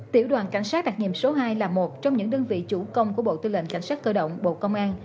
tiểu đoàn cảnh sát đặc nghiệm số hai là một trong những đơn vị chủ công của bộ tư lệnh cảnh sát cơ động bộ công an